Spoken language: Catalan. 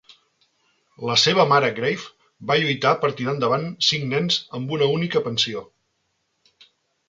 La seva mare Grave va lluitar per tirar endavant cinc nens amb una única pensió.